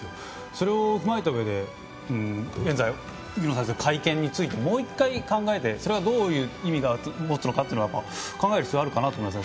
それを踏まえたうえで改憲についてもう１回、考えてそうれをどういう意味を持つのか考える必要があるかと思います。